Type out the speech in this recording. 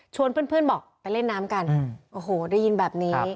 เพื่อนบอกไปเล่นน้ำกันโอ้โหได้ยินแบบนี้